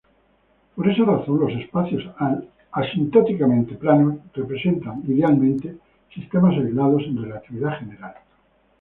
Por esa razón, los espacios asintóticamente planos representan idealmente sistemas aislados en relatividad general.